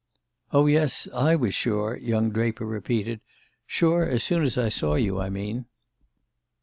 "Oh, yes: I was sure," young Draper repeated. "Sure as soon as I saw you, I mean."